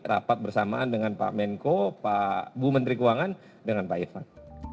rapat bersamaan dengan pak menko bu menteri keuangan dengan pak irfan